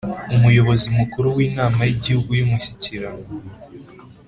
Umuyobozi mukuru w’inama yigihugu yumushyikirano